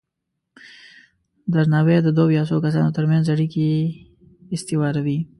درناوی د دوه یا څو کسانو ترمنځ اړیکې استواروي.